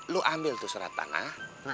lu ambil tuh serat tanah